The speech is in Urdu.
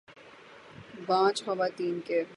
بانجھ خواتین کے